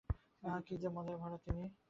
আহা, কি যে মজায় ভরা তিনি।